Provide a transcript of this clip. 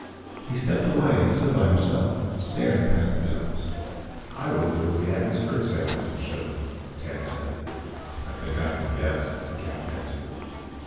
He stepped away and stood by himself, staring past the others. "I wonder what the atmospheric sample will show," Tance said. "I think I can guess," the Captain answered.